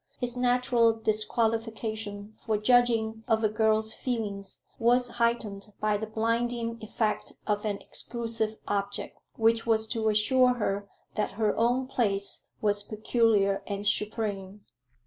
His natural disqualification for judging of a girl's feelings was heightened by the blinding effect of an exclusive object which was to assure her that her own place was peculiar and supreme.